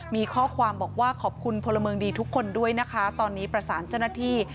มีข้อความบอกว่าขอบคุณพลเมืองดีทุกคนด้วยนะคะตอนนี้ประสานเจ้าหน้าที่